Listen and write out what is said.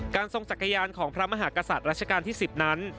ทรงจักรยานของพระมหากษัตริย์รัชกาลที่๑๐นั้น